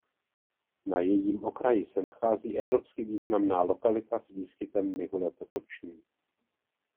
Na jejím okraji se nachází evropsky významná lokalita s výskytem mihule potoční.